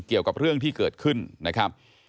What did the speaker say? เกี่ยวกับเรื่องที่เกิดขึ้นนะครับ